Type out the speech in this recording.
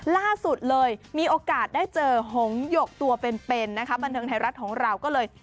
ล่าสุดเลยมีโอกาสได้เจอหงหยกตัวเป็นนะคะบันเทิงไทยรัฐของเราก็เลย